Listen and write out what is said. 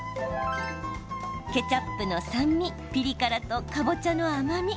ケチャップの酸味、ピリ辛とかぼちゃの甘み。